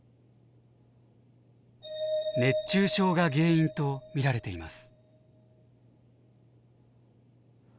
熱中症が原因と見られています。